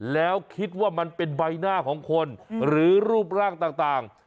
แล้วคิดว่ามันเป็นใบหน้าของคนหรือรูปร่างต่าง